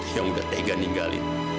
yang udah tega ninggalin